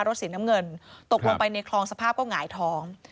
สีน้ำเงินตกลงไปในคลองสภาพก็หงายท้อง